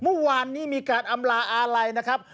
เมื่อวานนี้มีการอำลาอาลัยนะครับ